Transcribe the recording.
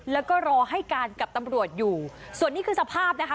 แล้วก็รอให้การกับตำรวจอยู่ส่วนนี้คือสภาพนะคะ